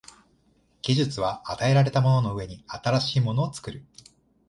技術は与えられたものの上に新しいものを作る。